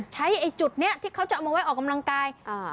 ไอ้จุดนี้ที่เขาจะเอามาไว้ออกกำลังกาย